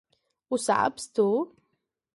Ho saps, tu?